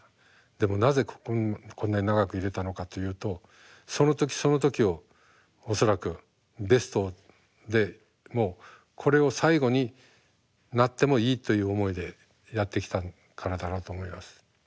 でもなぜこんなに長くいれたのかというとその時その時を恐らくベストで「もうこれを最後になってもいい」という思いでやってきたからだなと思います。